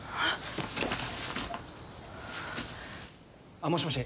あっもしもし。